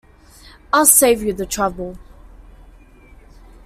I'll save you the trouble.